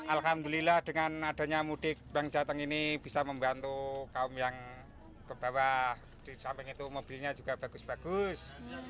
alhamdulillah dengan adanya mudik bank jateng ini bisa membantu kaum yang ke bawah di samping itu mobilnya juga bagus bagus